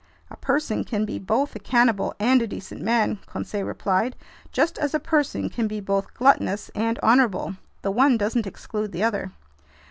"A person can be both a cannibal and a decent man," Conseil replied, "just as a person can be both gluttonous and honorable. The one doesn't exclude the other."